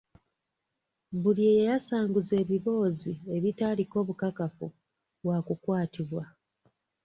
Buli eyayasanguza ebiboozi ebitaliiko bukakafu waakukwatibwa.